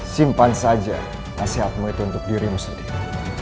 simpan saja nasihatmu itu untuk dirimu sendiri